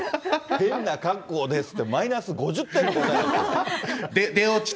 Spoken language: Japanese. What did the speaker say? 変な格好でーすって、マイナス５０点の答えです。